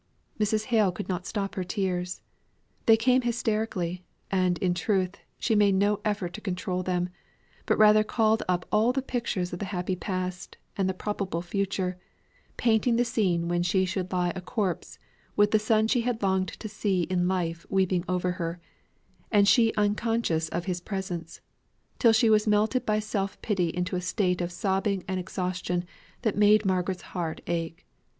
Mrs. Hale could not stop her tears; they came hysterically; and, in truth, she made no effort to control them, but rather called up all the pictures of the happy past, and the probable future painting the scene when she should lie a corpse, with the son she had longed to see in life weeping over her, and she unconscious of his presence till she was melted by self pity into a state of sobbing and exhaustion that made Margaret's heart ache.